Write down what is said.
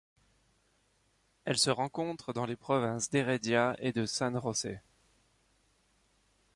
Elle se rencontre dans les provinces d'Heredia et de San José.